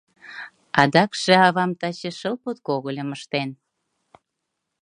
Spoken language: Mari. — Адакше авам таче шыл подкогыльым ыштен.